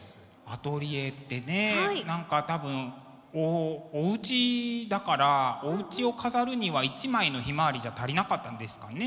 アトリエってね何か多分おうちだからおうちを飾るには１枚の「ヒマワリ」じゃ足りなかったんですかね。